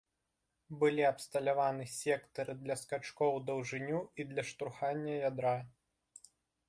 Былі абсталяваны сектары для скачкоў у даўжыню і для штурхання ядра.